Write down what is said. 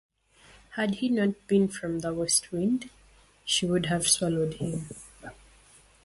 Had he not been from the west wind, she would have swallowed him.